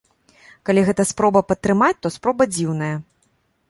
Калі гэта спроба падтрымаць, то спроба дзіўная.